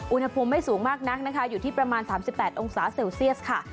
อุณหภูมิไม่สูงมากนักนะคะอยู่ที่ประมาณ๓๘องศาเซลเซียสค่ะ